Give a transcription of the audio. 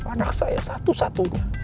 anak saya satu satunya